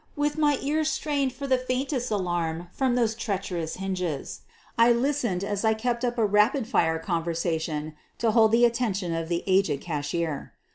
With my ears * trained for the faintest alarm from those treacher ous hinges, I listened as I kept up a rapid fire con versation to hold the attention of the aged cashier.